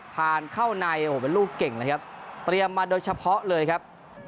เข้าในโอ้โหเป็นลูกเก่งเลยครับเตรียมมาโดยเฉพาะเลยครับ